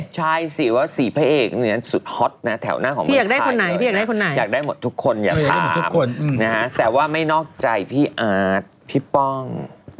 ใช่สิว่าสี่พระเอกสุดฮอตแถวหน้าของบริษัทอยากได้คนไหนอยากได้ทุกคนอยากถามแต่ว่าไม่นอกใจพี่อาร์ดพี่ป้อง